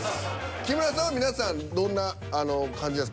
木村さんは皆さんどんな感じですか？